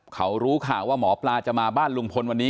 เขารู้ข่าวว่าหมอปลาจะมาบ้านลุงพลวันนี้